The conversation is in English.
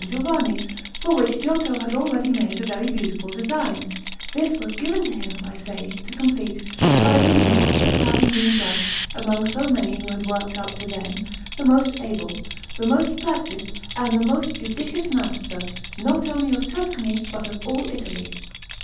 Giovanni, for which Giotto had already made a very beautiful design; this was given to him, I say, to complete, by reason of his having been judged, among so many who had worked up to then, the most able, the most practised and the most judicious master not only of Tuscany but of all Italy.